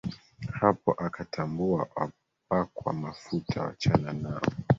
Hapo akatambua wapakwa mafuta, wachana nao.